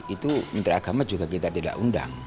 itu menteri agama juga kita tidak undang